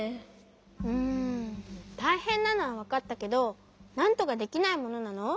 うんたいへんなのはわかったけどなんとかできないものなの？